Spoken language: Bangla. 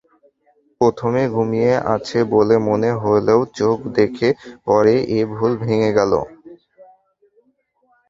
প্রথমে ঘুমিয়ে আছে বলে মনে হলেও চোখ দেখে পরে এ ভুল ভেঙে গেল।